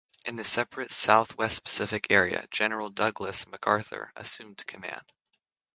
In the separate South West Pacific Area, General Douglas MacArthur assumed command.